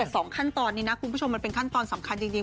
แต่สองขั้นตอนนี้นะคุณผู้ชมมันเป็นขั้นตอนสำคัญจริง